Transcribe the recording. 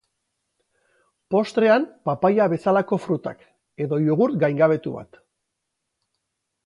Postrean papaia bezalako frutak, edo jogurt gaingabetu bat.